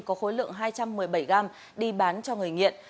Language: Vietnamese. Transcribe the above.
có khối lượng hai trăm một mươi bảy gram đi bán cho người nghiện